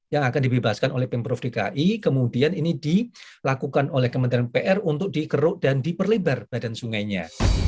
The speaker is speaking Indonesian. yang akan dibebaskan oleh pemprov dki kemudian ini dilakukan oleh kementerian pr untuk dikeruk dan diperlebar badan sungainya